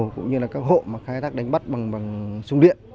cũng như là các hộ khai thác đánh bắt bằng súng điện